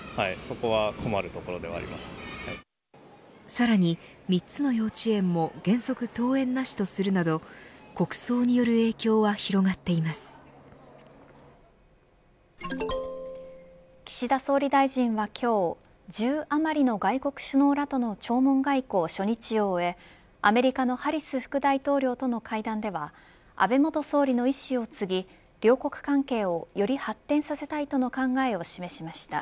さらに３つの幼稚園も原則登園なしとするなど国葬による影響は岸田総理大臣は今日１０余りの外国首脳らとの弔問外交初日を終えアメリカのハリス副大統領との会談では安倍元総理の遺志を継ぎ両国関係をより発展させたいとの考えを示しました。